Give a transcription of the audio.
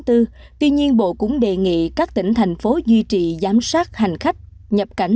tuy nhiên bộ cũng đề nghị các tỉnh thành phố duy trì giám sát hành khách nhập cảnh